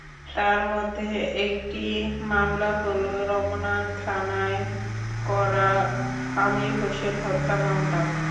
তার মধ্যে একটি মামলা হলো রমনা থানায় করা আমির হোসেন হত্যা মামলা।